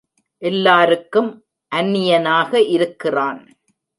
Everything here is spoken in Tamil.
எல்லாருக்கும் அந்நியனாக இருக்கிறான்.